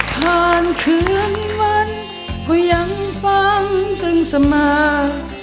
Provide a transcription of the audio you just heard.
ผ่านคืนวันก็ยังฟังตึงสมัคร